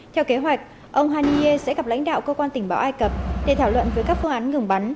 theo kế hoạch ông haniyeh sẽ gặp lãnh đạo cơ quan tình báo ây cập để thảo luận với các phương án ngừng bắn